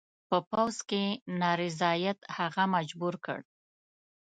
په پوځ کې نارضاییت هغه مجبور کړ.